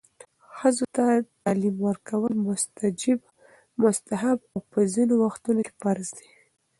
ښځو ته تعلیم ورکول مستحب او په ځینو وختونو کې فرض دی.